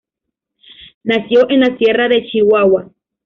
Nació en la Sierra de Chihuahua.